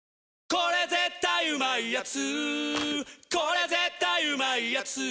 これ絶対うまいやつ」